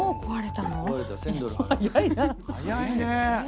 早いね。